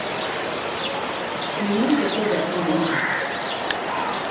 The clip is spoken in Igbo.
Mmemme ncheta ụbọchị ụmụnwaanyị na-ewere ọnọdụ n'abalị asatọ nke ọnwa Maachị ahọ ọbụla.